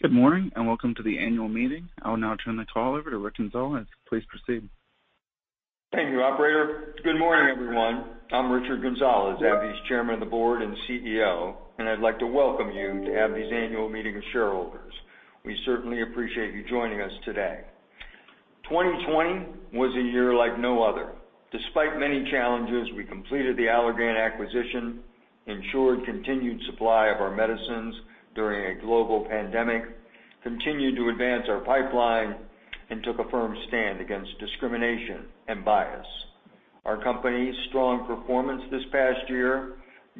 Good morning, welcome to the annual meeting. I will now turn the call over to Rich Gonzalez. Please proceed. Thank you, operator. Good morning, everyone. I'm Richard Gonzalez, AbbVie's Chairman of the Board and CEO. I'd like to welcome you to AbbVie's annual meeting of shareholders. We certainly appreciate you joining us today. 2020 was a year like no other. Despite many challenges, we completed the Allergan acquisition, ensured continued supply of our medicines during a global pandemic, continued to advance our pipeline, and took a firm stand against discrimination and bias. Our company's strong performance this past year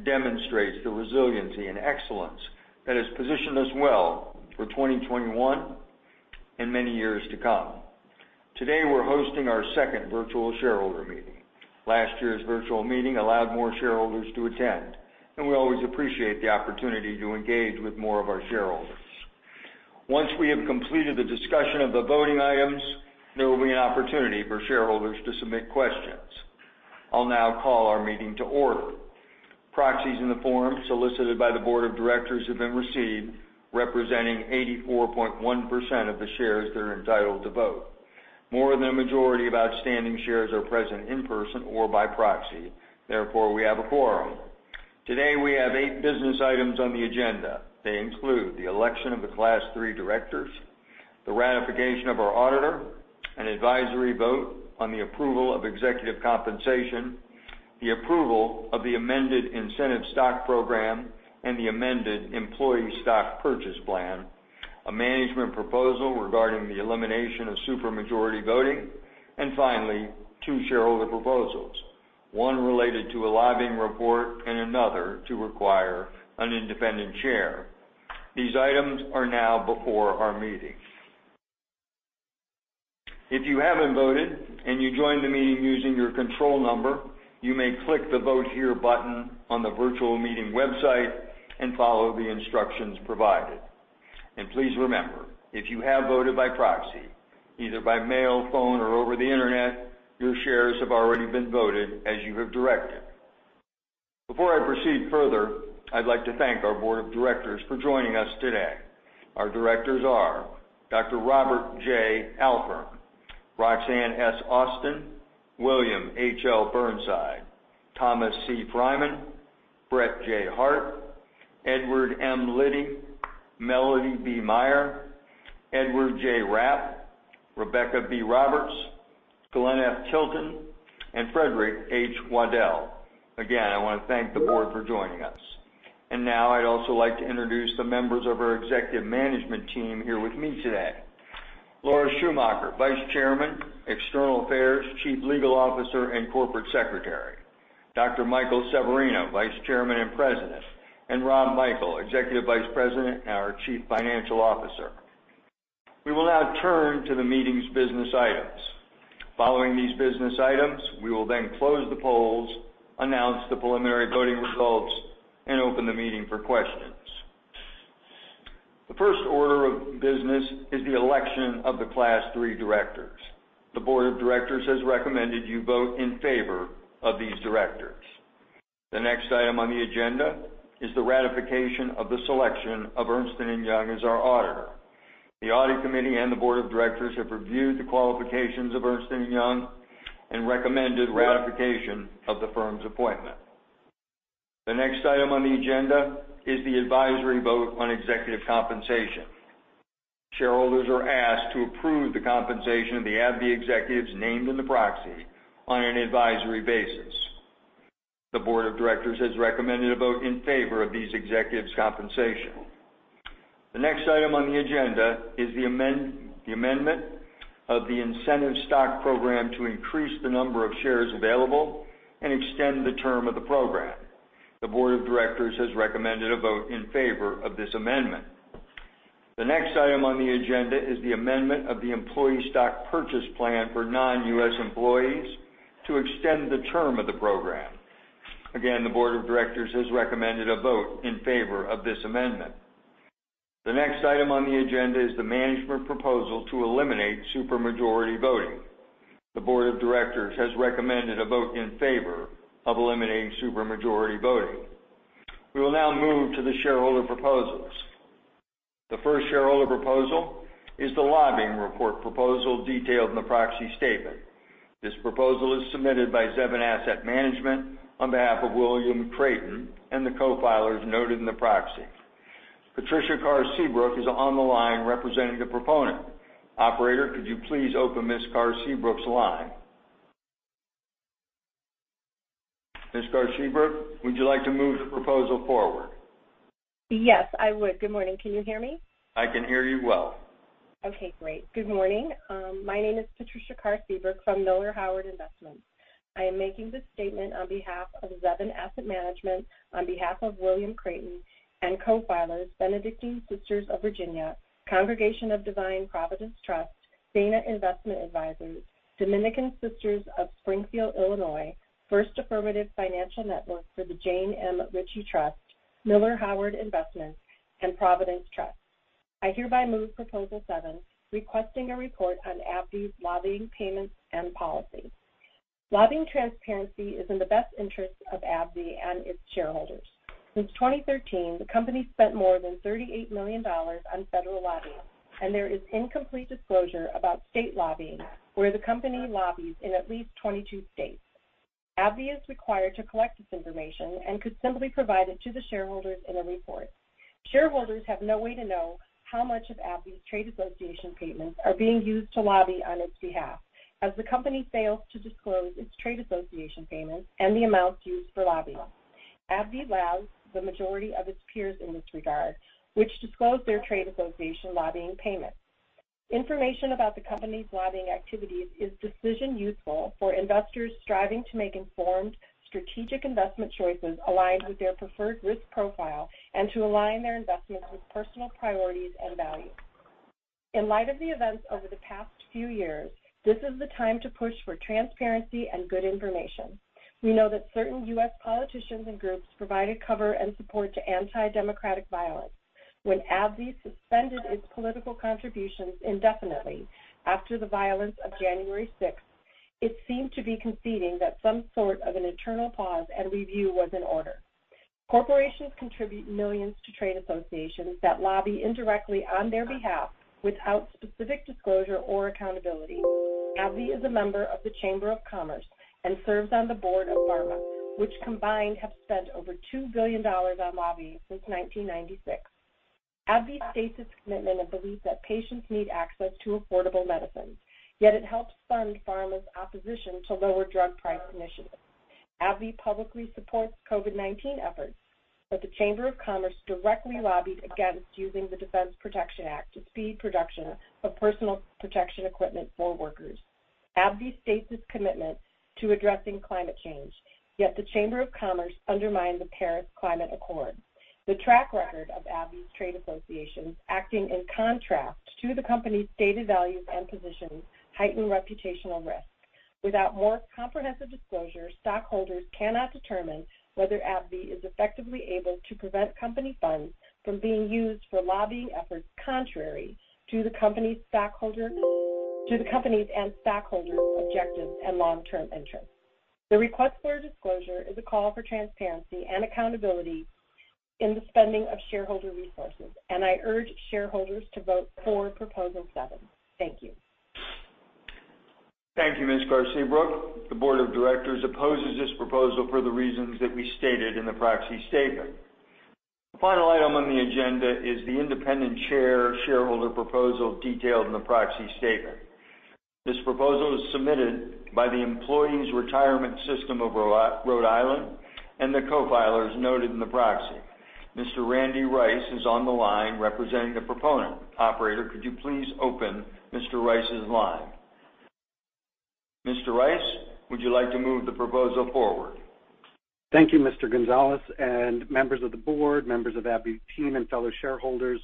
demonstrates the resiliency and excellence that has positioned us well for 2021 and many years to come. Today, we're hosting our second virtual shareholder meeting. Last year's virtual meeting allowed more shareholders to attend. We always appreciate the opportunity to engage with more of our shareholders. Once we have completed the discussion of the voting items, there will be an opportunity for shareholders to submit questions. I'll now call our meeting to order. Proxies in the form solicited by the board of directors have been received, representing 84.1% of the shares that are entitled to vote. More than a majority of outstanding shares are present in person or by proxy, therefore, we have a quorum. Today, we have eight business items on the agenda. They include the election of the Class III directors, the ratification of our auditor, an advisory vote on the approval of executive compensation, the approval of the amended incentive stock program, and the amended employee stock purchase plan, a management proposal regarding the elimination of supermajority voting, and finally, two shareholder proposals, one related to a lobbying report and another to require an independent chair. These items are now before our meeting. If you haven't voted and you joined the meeting using your control number, you may click the Vote Here button on the virtual meeting website and follow the instructions provided. Please remember, if you have voted by proxy, either by mail, phone, or over the internet, your shares have already been voted as you have directed. Before I proceed further, I'd like to thank our board of directors for joining us today. Our directors are Dr. Robert J. Alpern, Roxanne S. Austin, William H.L. Burnside, Thomas C. Freyman, Brett J. Hart, Edward M. Liddy, Melody B. Meyer, Edward J. Rapp, Rebecca B. Roberts, Glenn F. Tilton, and Frederick H. Waddell. Again, I want to thank the board for joining us. Now I'd also like to introduce the members of our executive management team here with me today. Laura Schumacher, Vice Chairman, External Affairs, Chief Legal Officer, and Corporate Secretary. Michael Severino, Vice Chairman and President, and Rob Michael, Executive Vice President and our Chief Financial Officer. We will now turn to the meeting's business items. Following these business items, we will then close the polls, announce the preliminary voting results, and open the meeting for questions. The first order of business is the election of the Class III directors. The Board of Directors has recommended you vote in favor of these directors. The next item on the agenda is the ratification of the selection of Ernst & Young as our auditor. The Audit Committee and the Board of Directors have reviewed the qualifications of Ernst & Young and recommended ratification of the firm's appointment. The next item on the agenda is the advisory vote on executive compensation. Shareholders are asked to approve the compensation of the AbbVie executives named in the proxy on an advisory basis. The board of directors has recommended a vote in favor of these executives' compensation. The next item on the agenda is the amendment of the incentive stock program to increase the number of shares available and extend the term of the program. The board of directors has recommended a vote in favor of this amendment. The next item on the agenda is the amendment of the employee stock purchase plan for non-U.S. employees to extend the term of the program. Again, the board of directors has recommended a vote in favor of this amendment. The next item on the agenda is the management proposal to eliminate supermajority voting. The board of directors has recommended a vote in favor of eliminating supermajority voting. We will now move to the shareholder proposals. The first shareholder proposal is the lobbying report proposal detailed in the proxy statement. This proposal is submitted by Zevin Asset Management on behalf of William Creighton and the co-filers noted in the proxy. Patricia Karr Seabrook is on the line representing the proponent. Operator, could you please open Ms. Karr Seabrook's line? Ms. Karr Seabrook, would you like to move the proposal forward? Yes, I would. Good morning. Can you hear me? I can hear you well. Okay, great. Good morning. My name is Patricia Karr Seabrook from Miller/Howard Investments. I am making this statement on behalf of Zevin Asset Management on behalf of William Creighton and co-filers Benedictine Sisters of Virginia, Congregation of Divine Providence Trust, Dana Investment Advisors, Dominican Sisters of Springfield, Illinois, First Affirmative Financial Network for the Jane M. Ritchie Trust, Miller/Howard Investments, and Providence Trust. I hereby move Proposal 7, requesting a report on AbbVie's lobbying payments and policy. Lobbying transparency is in the best interest of AbbVie and its shareholders. Since 2013, the company spent more than $38 million on federal lobbying, and there is incomplete disclosure about state lobbying, where the company lobbies in at least 22 states. AbbVie is required to collect this information and could simply provide it to the shareholders in a report. Shareholders have no way to know how much of AbbVie's trade association payments are being used to lobby on its behalf, as the company fails to disclose its trade association payments and the amounts used for lobbying. AbbVie lags the majority of its peers in this regard, which disclose their trade association lobbying payments. Information about the company's lobbying activities is decision useful for investors striving to make informed, strategic investment choices aligned with their preferred risk profile and to align their investments with personal priorities and values. In light of the events over the past few years, this is the time to push for transparency and good information. We know that certain U.S. politicians and groups provided cover and support to anti-democratic violence. When AbbVie suspended its political contributions indefinitely after the violence of January 6th, it seemed to be conceding that some sort of an internal pause and review was in order. Corporations contribute millions to trade associations that lobby indirectly on their behalf without specific disclosure or accountability. AbbVie is a member of the Chamber of Commerce and serves on the board of PhRMA, which combined have spent over $2 billion on lobbying since 1996. AbbVie states its commitment and belief that patients need access to affordable medicines, yet it helps fund PhRMA's opposition to lower drug price initiatives. AbbVie publicly supports COVID-19 efforts, but the Chamber of Commerce directly lobbied against using the Defense Production Act to speed production of personal protection equipment for workers. AbbVie states its commitment to addressing climate change, yet the Chamber of Commerce undermined the Paris Agreement. The track record of AbbVie's trade associations acting in contrast to the company's stated values and positions heighten reputational risk. Without more comprehensive disclosure, stockholders cannot determine whether AbbVie is effectively able to prevent company funds from being used for lobbying efforts contrary to the company's and stockholders' objectives and long-term interests. The request for disclosure is a call for transparency and accountability in the spending of shareholder resources, and I urge shareholders to vote for Proposal 7. Thank you. Thank you, Ms. Karr Seabrook. The Board of Directors opposes this proposal for the reasons that we stated in the proxy statement. The final item on the agenda is the independent shareholder proposal detailed in the proxy statement. This proposal is submitted by the Employees' Retirement System of Rhode Island and the co-filers noted in the proxy. Mr. Randy Rice is on the line representing the proponent. Operator, could you please open Mr. Rice's line? Mr. Rice, would you like to move the proposal forward? Thank you, Mr. Gonzalez, and members of the board, members of the AbbVie team, and fellow shareholders.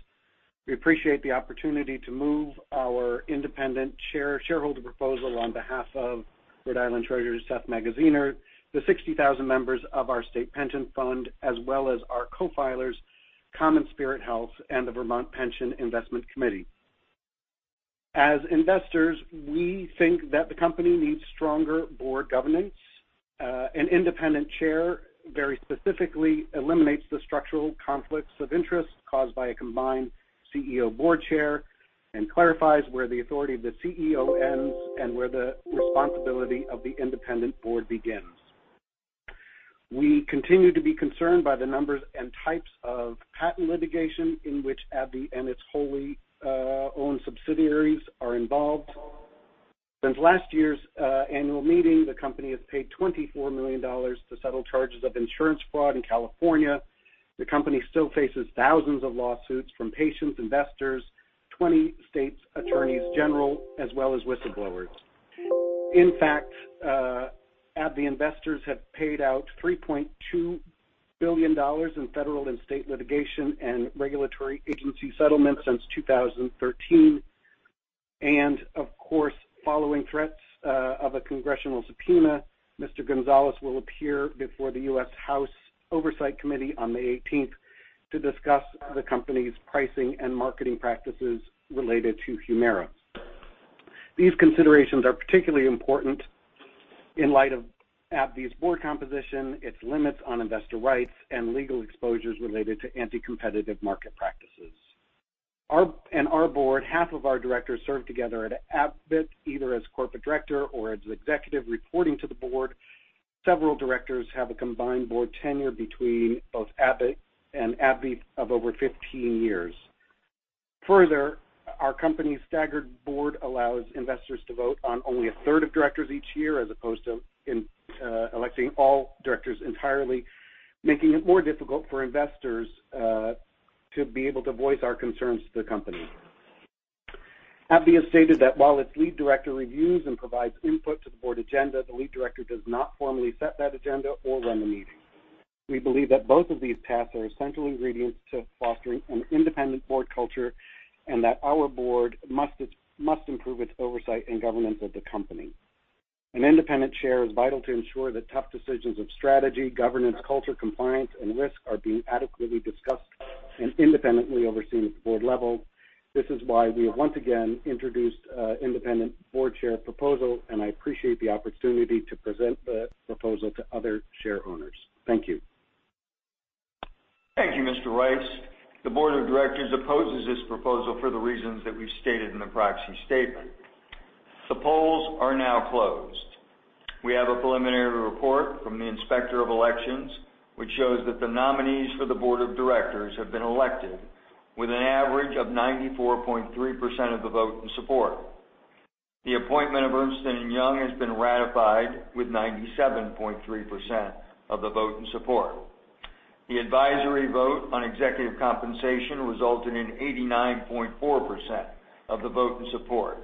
We appreciate the opportunity to move our independent shareholder proposal on behalf of Rhode Island Treasurer Seth Magaziner, the 60,000 members of our state pension fund, as well as our co-filers, CommonSpirit Health and the Vermont Pension Investment Committee. As investors, we think that the company needs stronger board governance. An independent chair very specifically eliminates the structural conflicts of interest caused by a combined CEO board chair and clarifies where the authority of the CEO ends and where the responsibility of the independent board begins. We continue to be concerned by the numbers and types of patent litigation in which AbbVie and its wholly-owned subsidiaries are involved. Since last year's annual meeting, the company has paid $24 million to settle charges of insurance fraud in California. The company still faces thousands of lawsuits from patients, investors, 20 states' attorneys general, as well as whistleblowers. In fact, AbbVie investors have paid out $3.2 billion in federal and state litigation and regulatory agency settlements since 2013. Following threats of a congressional subpoena, Mr. Gonzalez will appear before the U.S. House Committee on Oversight and Reform on May 18th to discuss the company's pricing and marketing practices related to HUMIRA. These considerations are particularly important in light of AbbVie's board composition, its limits on investor rights, and legal exposures related to anti-competitive market practices. In our board, half of our directors serve together at Abbott, either as corporate director or as executive reporting to the board. Several directors have a combined board tenure between both Abbott and AbbVie of over 15 years. Our company's staggered board allows investors to vote on only a third of directors each year as opposed to electing all directors entirely, making it more difficult for investors to be able to voice our concerns to the company. AbbVie has stated that while its lead director reviews and provides input to the board agenda, the lead director does not formally set that agenda or run the meeting. We believe that both of these tasks are essential ingredients to fostering an independent board culture and that our board must improve its oversight and governance of the company. An independent chair is vital to ensure that tough decisions of strategy, governance, culture, compliance, and risk are being adequately discussed and independently overseen at the board level. This is why we have once again introduced independent board chair proposal. I appreciate the opportunity to present the proposal to other share owners. Thank you. Thank you, Mr. Rice. The board of directors opposes this proposal for the reasons that we've stated in the proxy statement. The polls are now closed. We have a preliminary report from the Inspector of Elections, which shows that the nominees for the board of directors have been elected with an average of 94.3% of the vote in support. The appointment of Ernst & Young has been ratified with 97.3% of the vote in support. The advisory vote on executive compensation resulted in 89.4% of the vote in support.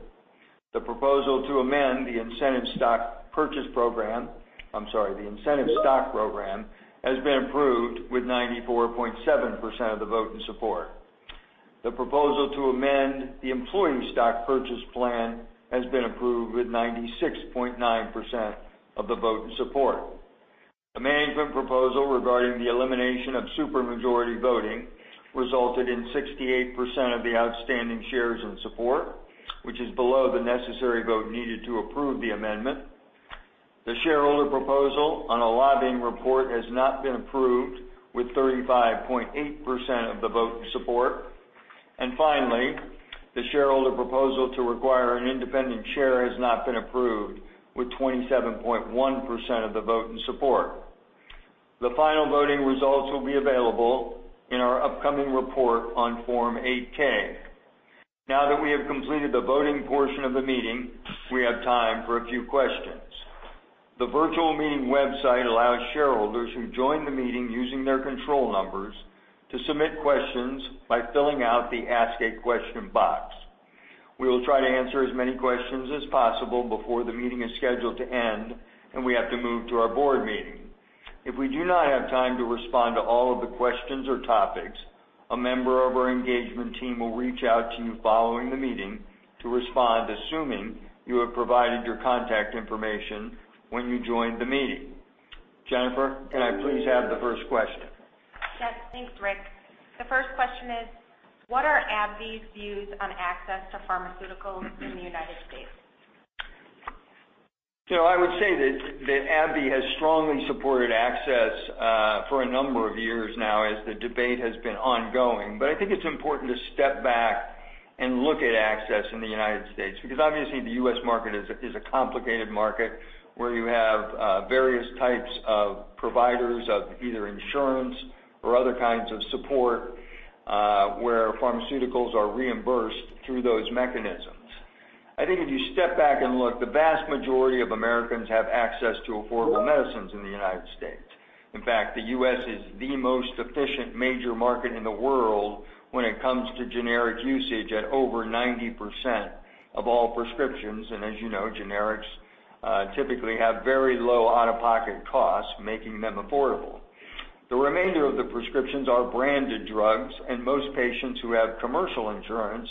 The proposal to amend the Incentive Stock Purchase Program, I'm sorry, the Incentive Stock Program, has been approved with 94.7% of the vote in support. The proposal to amend the Employee Stock Purchase Plan has been approved with 96.9% of the vote in support. The management proposal regarding the elimination of supermajority voting resulted in 68% of the outstanding shares in support, which is below the necessary vote needed to approve the amendment. The shareholder proposal on a lobbying report has not been approved with 35.8% of the vote in support. Finally, the shareholder proposal to require an independent chair has not been approved with 27.1% of the vote in support. The final voting results will be available in our upcoming report on Form 8-K. Now that we have completed the voting portion of the meeting, we have time for a few questions. The virtual meeting website allows shareholders who join the meeting using their control numbers to submit questions by filling out the Ask a Question box. We will try to answer as many questions as possible before the meeting is scheduled to end, and we have to move to our board meeting. If we do not have time to respond to all of the questions or topics, a member of our engagement team will reach out to you following the meeting to respond, assuming you have provided your contact information when you joined the meeting. Jennifer, can I please have the first question? Yes. Thanks, Richard. The first question is: What are AbbVie's views on access to pharmaceuticals in the U.S.? I would say that AbbVie has strongly supported access for a number of years now as the debate has been ongoing. I think it's important to step back and look at access in the United States, because obviously the U.S. market is a complicated market where you have various types of providers of either insurance or other kinds of support, where pharmaceuticals are reimbursed through those mechanisms. I think if you step back and look, the vast majority of Americans have access to affordable medicines in the United States. In fact, the U.S. is the most efficient major market in the world when it comes to generic usage at over 90% of all prescriptions, and as you know, generics typically have very low out-of-pocket costs, making them affordable. The remainder of the prescriptions are branded drugs, and most patients who have commercial insurance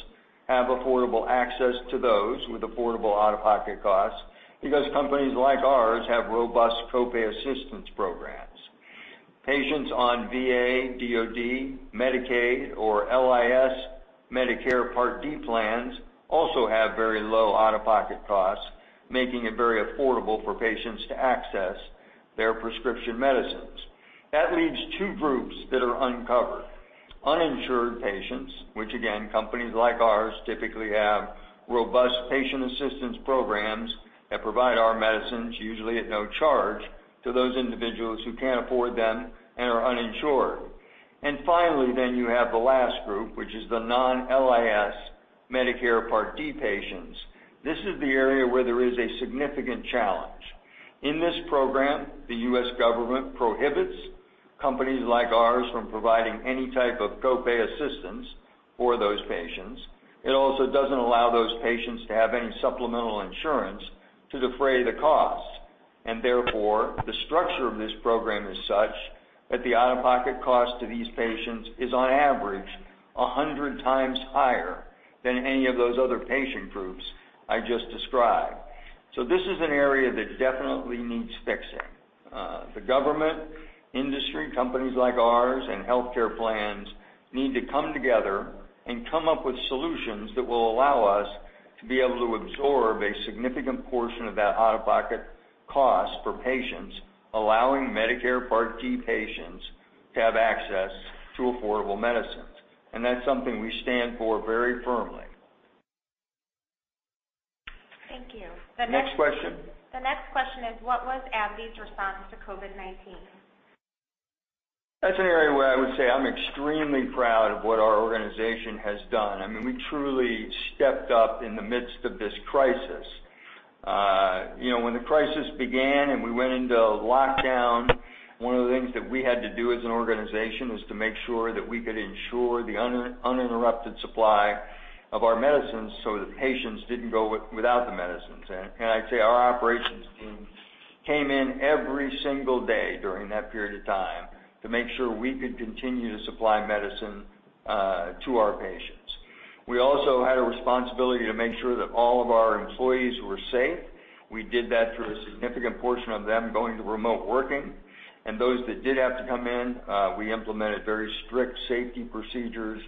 have affordable access to those with affordable out-of-pocket costs because companies like ours have robust co-pay assistance programs. Patients on VA, DoD, Medicaid, or LIS Medicare Part D plans also have very low out-of-pocket costs, making it very affordable for patients to access their prescription medicines. That leaves two groups that are uncovered. Uninsured patients, which again, companies like ours typically have robust patient assistance programs that provide our medicines, usually at no charge to those individuals who can't afford them and are uninsured. Finally, you have the last group, which is the non-LIS Medicare Part D patients. This is the area where there is a significant challenge. In this program, the U.S. government prohibits companies like ours from providing any type of co-pay assistance for those patients. It also doesn't allow those patients to have any supplemental insurance to defray the costs, and therefore, the structure of this program is such that the out-of-pocket cost to these patients is, on average, 100 times higher than any of those other patient groups I just described. This is an area that definitely needs fixing. The government, industry, companies like ours, and healthcare plans need to come together and come up with solutions that will allow us to be able to absorb a significant portion of that out-of-pocket cost for patients, allowing Medicare Part D patients to have access to affordable medicines. That's something we stand for very firmly. Thank you. Next question. The next question is: What was AbbVie's response to COVID-19? That's an area where I would say I'm extremely proud of what our organization has done. We truly stepped up in the midst of this crisis. When the crisis began and we went into lockdown, one of the things that we had to do as an organization was to make sure that we could ensure the uninterrupted supply of our medicines so that patients didn't go without the medicines. I'd say our operations team came in every single day during that period of time to make sure we could continue to supply medicine to our patients. We also had a responsibility to make sure that all of our employees were safe. We did that through a significant portion of them going to remote working. Those that did have to come in, we implemented very strict safety procedures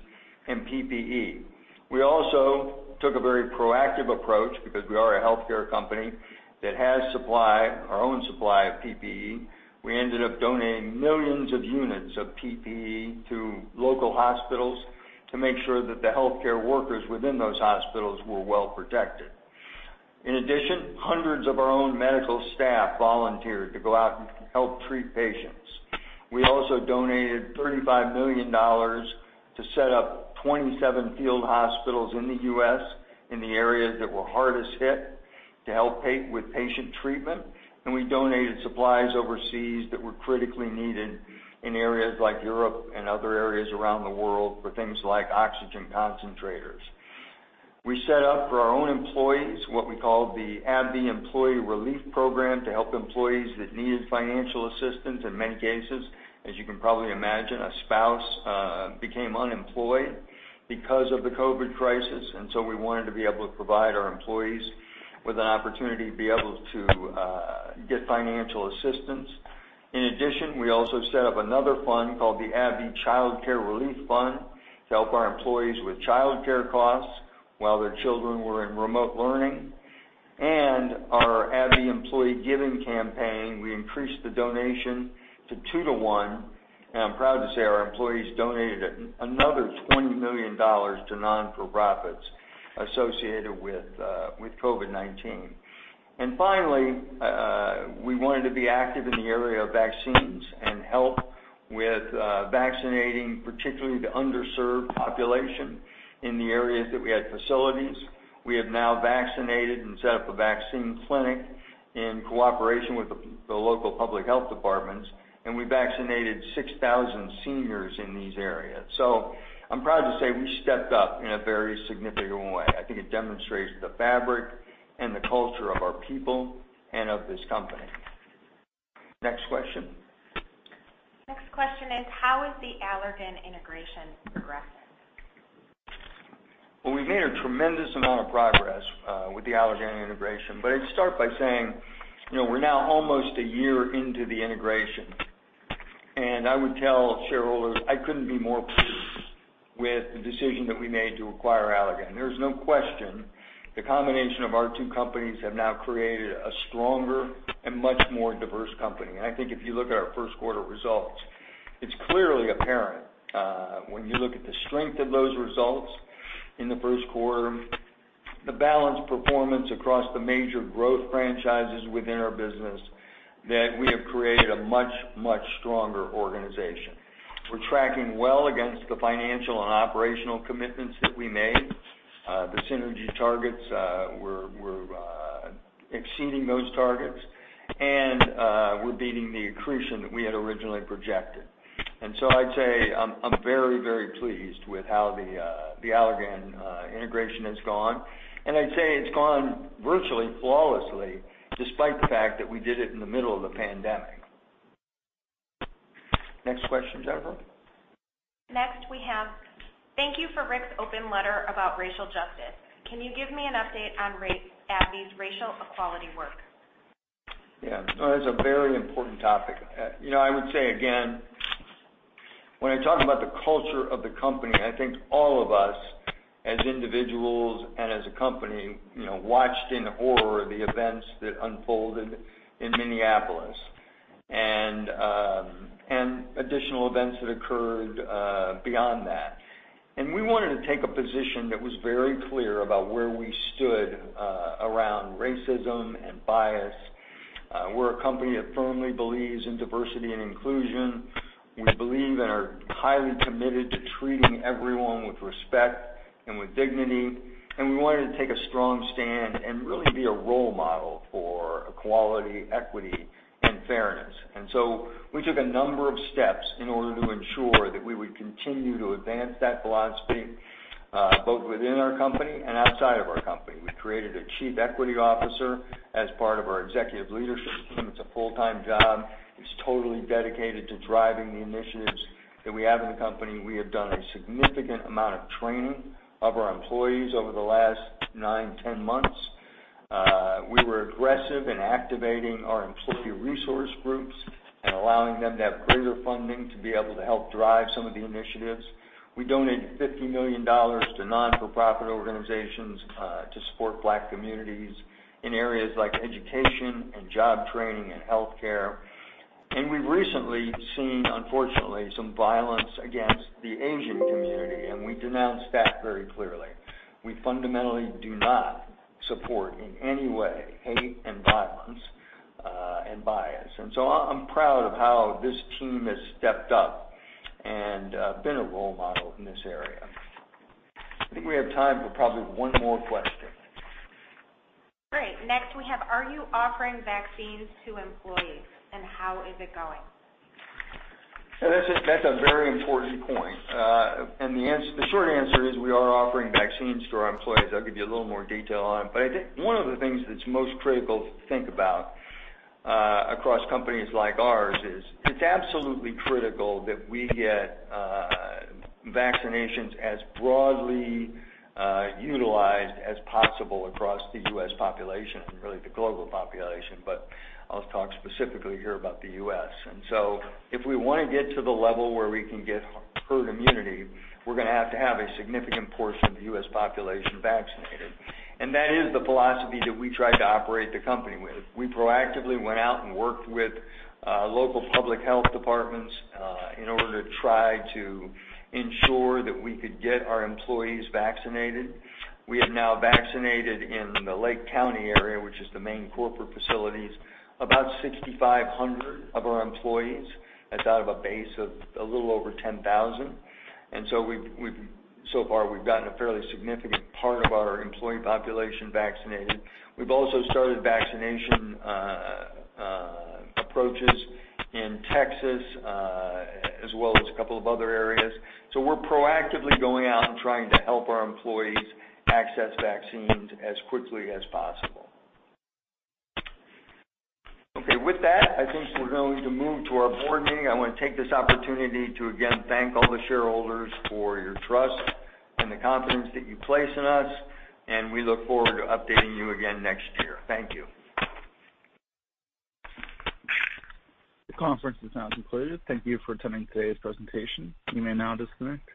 and PPE. We also took a very proactive approach because we are a healthcare company that has supplied our own supply of PPE. We ended up donating millions of units of PPE to local hospitals to make sure that the healthcare workers within those hospitals were well-protected. In addition, hundreds of our own medical staff volunteered to go out and help treat patients. We also donated $35 million to set up 27 field hospitals in the U.S. in the areas that were hardest hit to help with patient treatment. We donated supplies overseas that were critically needed in areas like Europe and other areas around the world for things like oxygen concentrators. We set up for our own employees what we call the AbbVie Employee Relief Program to help employees that needed financial assistance. In many cases, as you can probably imagine, a spouse became unemployed because of the COVID crisis. We wanted to be able to provide our employees with an opportunity to be able to get financial assistance. In addition, we also set up another fund called the AbbVie Childcare Relief Fund to help our employees with childcare costs while their children were in remote learning. Our AbbVie Employee Giving Campaign, we increased the donation to two to one, and I'm proud to say our employees donated another $20 million to nonprofits associated with COVID-19. Finally, we wanted to be active in the area of vaccines and help with vaccinating, particularly the underserved population in the areas that we had facilities. We have now vaccinated and set up a vaccine clinic in cooperation with the local public health departments, and we vaccinated 6,000 seniors in these areas. I'm proud to say we stepped up in a very significant way. I think it demonstrates the fabric and the culture of our people and of this company. Next question. Next question is how is the Allergan integration progressing? Well, we've made a tremendous amount of progress with the Allergan integration. I'd start by saying we're now almost a year into the integration. I would tell shareholders I couldn't be more pleased with the decision that we made to acquire Allergan. There's no question the combination of our two companies have now created a stronger and much more diverse company. I think if you look at our first quarter results, it's clearly apparent when you look at the strength of those results in the first quarter, the balanced performance across the major growth franchises within our business that we have created a much, much stronger organization. We're tracking well against the financial and operational commitments that we made. The synergy targets we're exceeding those targets and we're beating the accretion that we had originally projected. I'd say I'm very, very pleased with how the Allergan integration has gone, and I'd say it's gone virtually flawlessly despite the fact that we did it in the middle of the pandemic. Next question, Deborah. Next we have, "Thank you for Rick's open letter about racial justice. Can you give me an update on AbbVie's racial equality work? Yeah. No, that's a very important topic. I would say again, when I talk about the culture of the company, and I think all of us as individuals and as a company watched in horror the events that unfolded in Minneapolis and additional events that occurred beyond that. We wanted to take a position that was very clear about where we stood around racism and bias. We're a company that firmly believes in diversity and inclusion. We believe and are highly committed to treating everyone with respect and with dignity, and we wanted to take a strong stand and really be a role model for equality, equity, and fairness. We took a number of steps in order to ensure that we would continue to advance that philosophy both within our company and outside of our company. We created a chief equity officer as part of our executive leadership team. It's a full-time job. It's totally dedicated to driving the initiatives that we have in the company. We have done a significant amount of training of our employees over the last nine, 10 months. We were aggressive in activating our employee resource groups and allowing them to have greater funding to be able to help drive some of the initiatives. We donated $50 million to nonprofit organizations to support Black communities in areas like education and job training and healthcare. We've recently seen, unfortunately, some violence against the Asian community, and we denounce that very clearly. We fundamentally do not support in any way hate and violence and bias. I'm proud of how this team has stepped up and been a role model in this area. I think we have time for probably one more question. Great. Next we have, "Are you offering vaccines to employees and how is it going? That's a very important point. The short answer is we are offering vaccines to our employees. I'll give you a little more detail on it. I think one of the things that's most critical to think about across companies like ours is it's absolutely critical that we get vaccinations as broadly utilized as possible across the U.S. population and really the global population. I'll talk specifically here about the U.S. If we want to get to the level where we can get herd immunity, we're going to have to have a significant portion of the U.S. population vaccinated. That is the philosophy that we tried to operate the company with. We proactively went out and worked with local public health departments in order to try to ensure that we could get our employees vaccinated. We have now vaccinated in the Lake County area, which is the main corporate facilities, about 6,500 of our employees out of a base of a little over 10,000. So far, we've gotten a fairly significant part of our employee population vaccinated. We've also started vaccination approaches in Texas as well as a couple of other areas. We're proactively going out and trying to help our employees access vaccines as quickly as possible. Okay. With that, I think we're going to move to our board meeting. I want to take this opportunity to again thank all the shareholders for your trust and the confidence that you place in us, and we look forward to updating you again next year. Thank you. The conference is now concluded. Thank you for attending today's presentation. You may now disconnect.